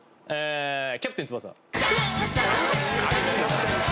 『キャプテン翼』